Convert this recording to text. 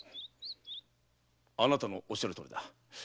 あなたのおっしゃるとおりだ。